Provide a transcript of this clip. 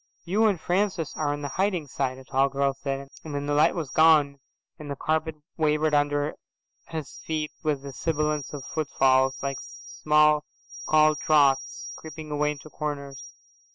"You and Francis are on the hiding side," a tall girl said, and then the light was gone, and the carpet wavered under his feet with the sibilance of footfalls, like small cold draughts, creeping away into corners.